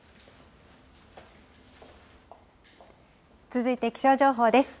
続いて気象情報です。